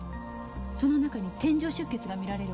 その中に点状出血が見られるわ。